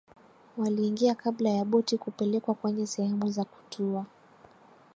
waliingia kabla ya boti kupelekwa kwenye sehemu za kutua